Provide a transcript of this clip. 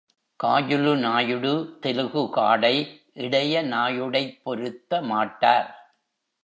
காஜுலு நாயுடு தெலுகு காடை, இடைய நாயுடைப் பொருத்த மாட்டார்.